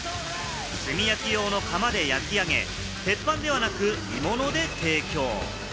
炭焼き用の窯で焼き上げ、鉄板ではなく、鋳物で提供。